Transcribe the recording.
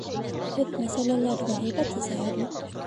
Һеҙ мәсьәләләрҙе һәйбәт сисәһегеҙме?